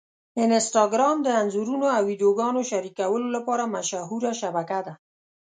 انسټاګرام د انځورونو او ویډیوګانو شریکولو لپاره مشهوره شبکه ده.